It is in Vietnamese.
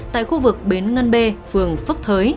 tại khu vực bến ngân b phường phước thới